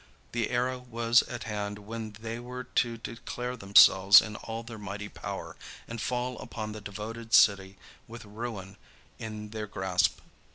The era was at hand when they were to declare themselves in all their mighty power and fall upon the devoted city with ruin in their grasp.